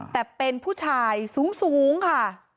แต่เป็นผู้ชายสูงค่ะ